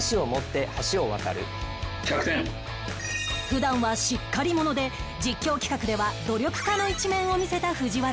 普段はしっかり者で実況企画では努力家の一面を見せた藤原